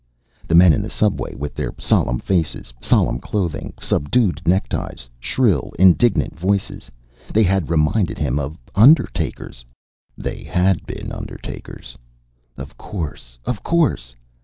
The men in the subway, with their solemn faces, solemn clothing, subdued neckties, shrill, indignant voices they had reminded him of undertakers. They had been undertakers! Of course! Of course!